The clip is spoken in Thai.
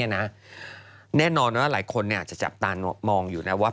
แน่นอนว่าหลายคนอาจจะจับตามองอยู่นะว่า